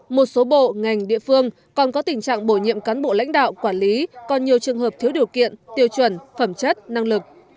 một số bộ ngành địa phương còn có tình trạng bổ nhiệm cán bộ lãnh đạo quản lý còn nhiều trường hợp thiếu điều kiện tiêu chuẩn phẩm chất năng lực